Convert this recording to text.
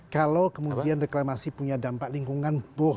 kalau kemudian reklamasi punya dampak lingkungan